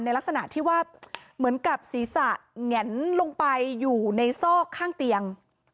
ลักษณะที่ว่าเหมือนกับศีรษะแงนลงไปอยู่ในซอกข้างเตียง